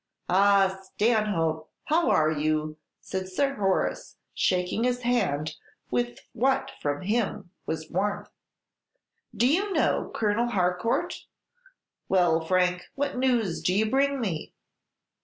"Ah, Stanhope, how are you?" said Sir Horace, shaking his hand with what from him was warmth. "Do you know Colonel Harcourt? Well, Frank, what news do you bring me?"